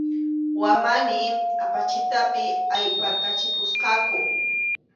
Wamani apachitapi ayparqachikusqaku.